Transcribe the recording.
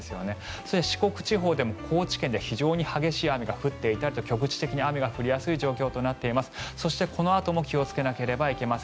そして、四国地方でも高知県で非常に激しい雨が降っていたりと局地的に雨が降りやすい状況となっています。